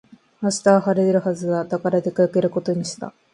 明日は晴れるはずだ。だから出かけることにした。